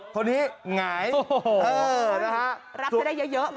คนนี้หงายเออนะฮะสุดรับได้เยอะไง